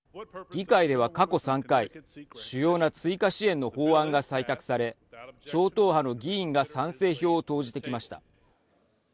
議会では過去３回主要な追加支援の法案が採択され超党派の議員が賛成票を投じてきました。